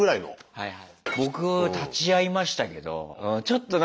はいはい。